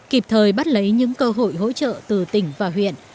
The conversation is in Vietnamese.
kịp thời bắt lấy những cơ hội hỗ trợ từ tỉnh và huyện